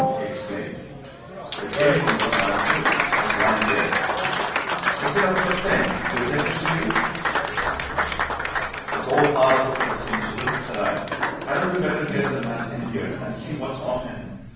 he exclaimed. "It came from this man, too, that's lying dead it's been a put up thing, d'ye think, Mr. Hugh?" "It's all part of a put up thing, Chisholm," said I. "Hadn't we better get the man in here, and see what's on him?